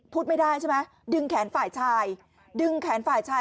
พูดไม่ได้ใช่ไหมดึงแขนฝ่ายชาย